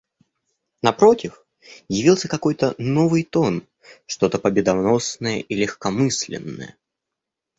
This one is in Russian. Напротив, явился какой-то новый тон, что-то победоносное и легкомысленное.